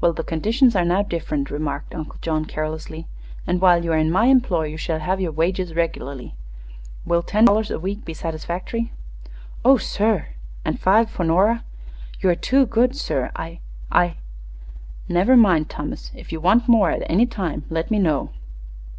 "Well, the conditions are now different," remarked Uncle John, carelessly; "and while you are in my employ you shall have your wages regularly. Will ten dollars a week be satisfactory?" "Oh, sir!" "And five for Nora." "You are too good, sir. I I " "Never mind, Thomas. If you want more at any time let me know."